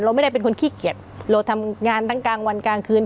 ไม่ได้เป็นคนขี้เกียจเราทำงานทั้งกลางวันกลางคืน